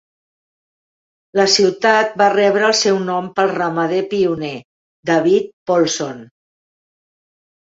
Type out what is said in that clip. La ciutat va rebre el seu nom pel ramader pioner David Polson.